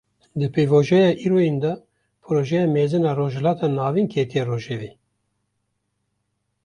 Di pêvajoya îroyîn de, Projeya Mezin a Rojhilata Navîn ketiye rojevê